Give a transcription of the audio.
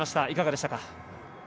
いかがでしたか。